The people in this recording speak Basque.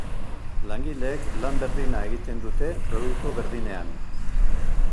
Langileek lan berdina egiten dute produktu berdinean.